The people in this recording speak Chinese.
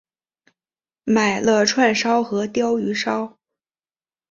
买了串烧和鲷鱼烧